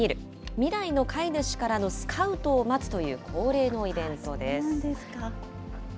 未来の飼い主からのスカウトを待つという恒例のイベントです。